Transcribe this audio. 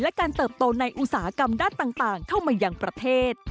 และการเติบโตในอุตสาหกรรมด้านต่างเข้ามายังประเทศ